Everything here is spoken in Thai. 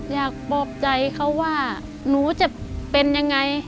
อยากปลอบใจเขาว่าหนูจะเป็นยังไง